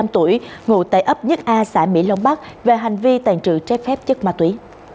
ba mươi năm tuổi ngồi tại ấp nhất a xã mỹ long bắc về hành vi tàn trự trái phép chất ma túy